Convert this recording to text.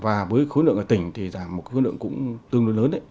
và với khối lượng ở tỉnh thì giảm một khối lượng cũng tương đối lớn đấy